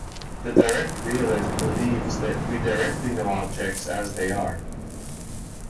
The direct realist believes that we directly know objects as they are.